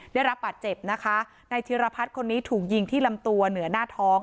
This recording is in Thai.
ได้รับปัดเจ็บในทิรภัทรคนนี้ถูกยิงที่ลำตัวเหนือหน้าท้อง